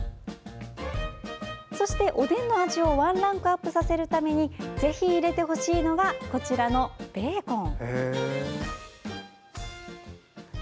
そして、おでんの味をワンランクアップさせるためにぜひ入れてほしいのがこちらのベーコン。